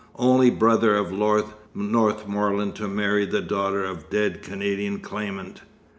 Only Brother of Lord Northmorland to Marry the Daughter of Dead Canadian Claimant.